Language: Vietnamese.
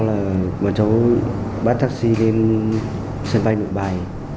hai hôm sau là bọn cháu bắt taxi đến sân bay nụ bài